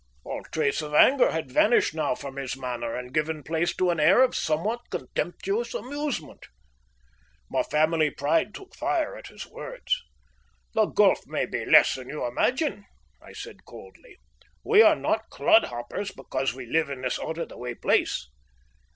All trace of anger had vanished now from his manner, and given place to an air of somewhat contemptuous amusement. My family pride took fire at his words. "The gulf may be less than you imagine," I said coldly. "We are not clodhoppers because we live in this out of the way place.